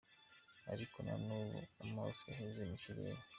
Ariko na n’ubu amaso yaheze mu kirere.